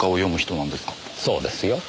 そうですよ。